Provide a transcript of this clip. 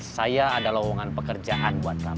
saya ada lowongan pekerjaan buat kamu